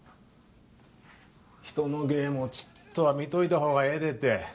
人の芸もちっとは見といたほうがええでって。